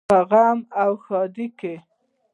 په غم او ښادۍ کې.